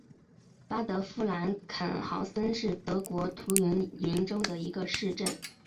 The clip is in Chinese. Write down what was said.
巴德夫兰肯豪森是德国图林根州的一个市镇。